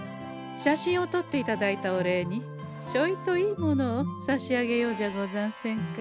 写真をとっていただいたお礼にちょいといいものをさしあげようじゃござんせんか。